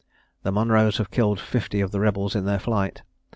The Monroes have killed fifty of the rebels in their flight.